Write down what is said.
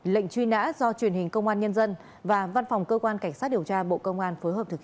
lệnh truy nã do truyền hình công an nhân dân và văn phòng cơ quan cảnh sát điều tra bộ công an phối hợp thực hiện